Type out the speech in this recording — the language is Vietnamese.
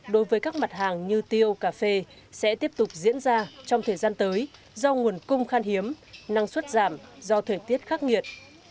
đối với các mặt hàng như tiêu cà phê sẽ tiếp tục diễn ra trong thời gian tới do nguồn cung khan hiếm năng suất giảm do thời tiết khắc nghiệt